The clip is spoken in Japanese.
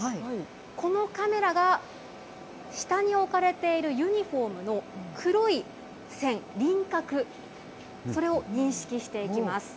このカメラが、下に置かれているユニホームの黒い線、輪郭、それを認識していきます。